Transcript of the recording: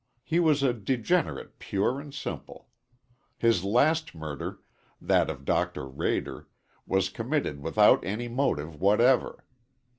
He was a degenerate pure and simple. His last murder, that of Dr. Rader, was committed without any motive whatever.